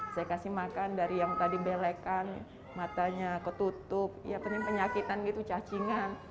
saya kasih makan dari yang tadi belekkan matanya ketutup penyakitan cacingan